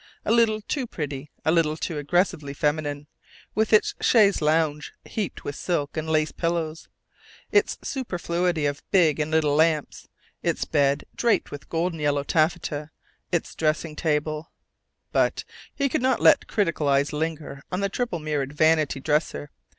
A little too pretty, a little too aggressively feminine, with its chaise longue heaped with silk and lace pillows, its superfluity of big and little lamps, its bed draped with golden yellow taffeta, its dressing table But he could not let critical eyes linger on the triple mirrored vanity dresser.